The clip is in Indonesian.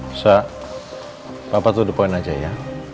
elsa bapak duduk poin aja ya